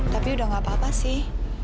tapi udah gak apa apa sih